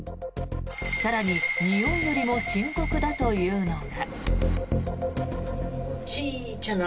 更に、においよりも深刻だというのが。